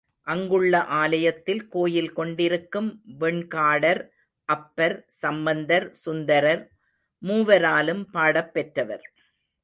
அங்குள்ள ஆலயத்தில் கோயில் கொண்டிருக்கும் வெண்காடர் அப்பர், சம்பந்தர், சுந்தரர் மூவராலும் பாடப்பெற்றவர்.